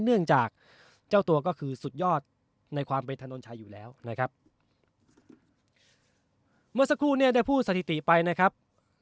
เนื่องจากเจ้าตัวก็คือสุดยอดในความเป็นถนนชัยอยู่แล้วนะครับเมื่อสักครู่เนี่ยได้พูดสถิติไปนะครับ